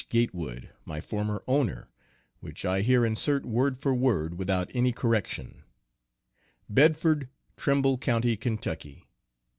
Gatewood, my former owner, which I here insert word for word, without any correction: BEDFORD, TRIMBLE COUNTY, KY.